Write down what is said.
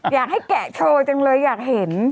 อยากให้แกะโชว์จังเลยอยากเห็น